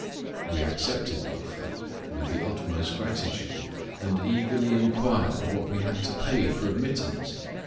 We accepted the offer with the utmost gratitude, and eagerly inquired what we had to pay for admittance.